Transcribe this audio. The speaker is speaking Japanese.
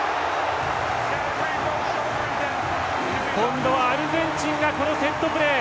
今度はアルゼンチンがこのセットプレー。